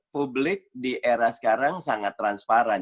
publik di era sekarang sangat transparan